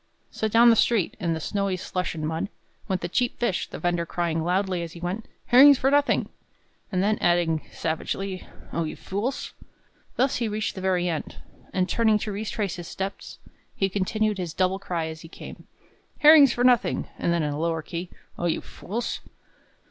So down the street, in the snowy slush and mud, went the cheap fish, the vender crying loudly as he went, "Herrings for nothing!" and then adding savagely, "O you fools!" Thus he reached the very end; and, turning to retrace his steps, he continued his double cry as he came, "Herrings for nothing!" and then in a lower key, "O you fools!"